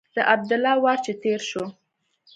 د عبدالله وار چې تېر شو.